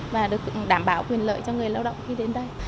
và được đảm bảo quyền lợi cho người lao động khi đến đây